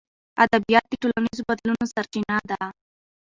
ادبیات د ټولنیزو بدلونونو سرچینه ده.